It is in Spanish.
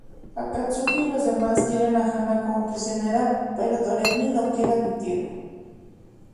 Akatsuki y los demás quieren a Hana como prisionera pero Doremi no quiere admitirlo.